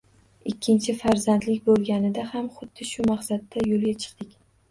Ikkinchi farzandlik boʻlganida ham xuddi shu maqsadda yoʻlga chiqdik.